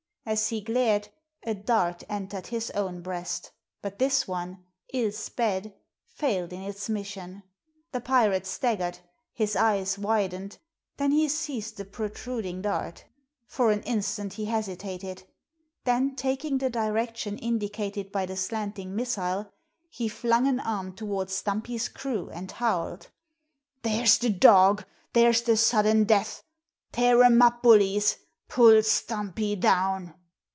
As he glared, a dart entered his own breast; but this one, ill sped, failed in its mission. The pirate staggered, his eyes widened, then he seized the protruding dart. For an instant he hesitated; then taking the direction indicated by the slanting missile, he flung an arm toward Stumpy's crew and howled: "There's the dog! There's the sudden death! Tear 'em up, bullies! Pull Stumpy down!"